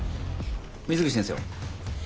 水口先生は？